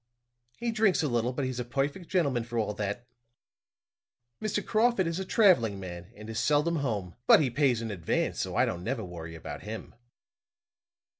He drinks a little, but he's a perfect gentleman for all that. Mr. Crawford is a traveling man, and is seldom home; but he pays in advance, so I don't never worry about him.